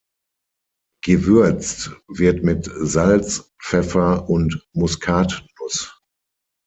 Gewürzt wird mit Salz, Pfeffer und Muskatnuss.